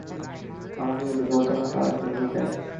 আমাদের কিছু গুরুত্বপূর্ণ কাজ আছে, এদিকে আয়।